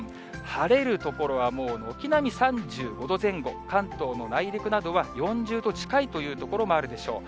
晴れる所は、もう軒並み３５度前後、関東の内陸などは４０度近いという所もあるでしょう。